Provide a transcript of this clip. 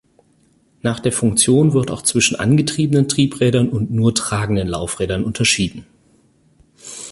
Nach der Funktion wird auch zwischen angetriebenen Treibrädern und nur tragenden Laufrädern unterschieden.